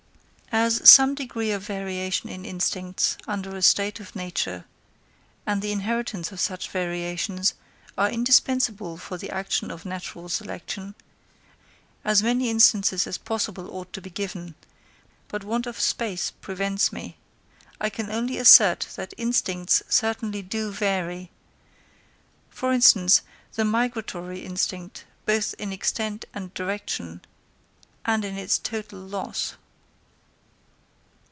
As some degree of variation in instincts under a state of nature, and the inheritance of such variations, are indispensable for the action of natural selection, as many instances as possible ought to be given; but want of space prevents me. I can only assert that instincts certainly do vary—for instance, the migratory instinct, both in extent and direction, and in its total loss.